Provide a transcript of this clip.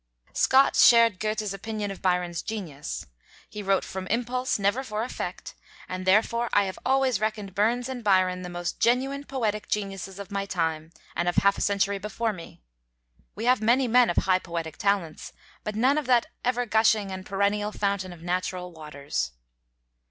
Scott shared Goethe's opinion of Byron's genius: "He wrote from impulse, never for effect, and therefore I have always reckoned Burns and Byron the most genuine poetic geniuses of my time, and of half a century before me. We have many men of high poetic talents, but none of that ever gushing and perennial fountain of natural waters."